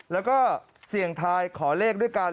แล้วก็เสี่ยงทายขอเลขด้วยกัน